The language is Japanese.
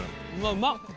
うまっ。